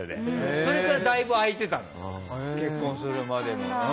それから、だいぶ空いていたの結婚するまで。